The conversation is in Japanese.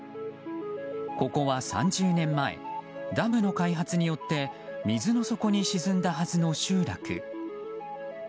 ここは３０年前ダムの開発によって水の底に沈んだはずの集落。